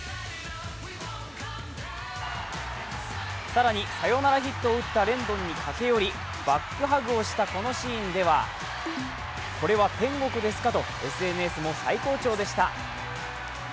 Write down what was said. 更に、サヨナラヒットを打ったレンドンに駆け寄りバックハグをしたこのシーンではこれは天国ですかと、ＳＮＳも最高潮でした。